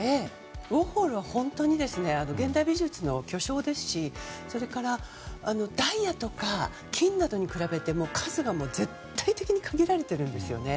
ウォーホルは本当に現代美術の巨匠ですしそれから、ダイヤとか金などに比べても数が絶対的に限られているんですよね。